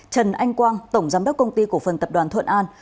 trần anh quang tổng giám đốc công ty cổ phần tập đoàn thuận an